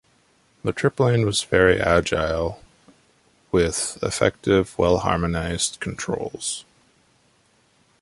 The Triplane was very agile, with effective, well-harmonised controls.